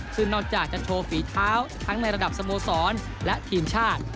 ซึ่งนอกจากจะโชว์ฝีเท้าทั้งในระดับสโมสรและทีมชาติ